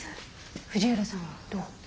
藤浦さんはどう？